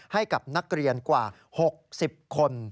ให้กับนักเรียนกว่า๖๐คน